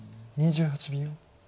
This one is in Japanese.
２８秒。